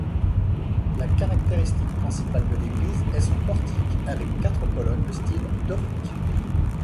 La caractéristique principale de l'église est son portique, avec quatre colonnes de style dorique.